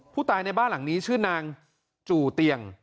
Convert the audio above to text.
ในบ้านหลังนี้ชื่อนางจู่เตียง